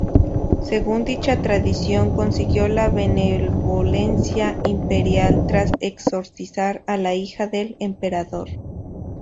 Según dicha tradición consiguió la benevolencia imperial tras exorcizar a la hija del emperador.